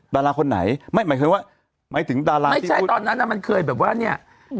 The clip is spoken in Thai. ดาราคนไหนไม่คือว่าหมายถึงดาราที่